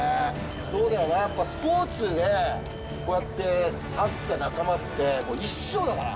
そうだよね、やっぱスポーツで、こうやって会った仲間って、一生だから。